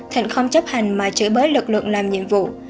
thịnh không chấp hành mà chửi bới lực lượng làm nhiệm vụ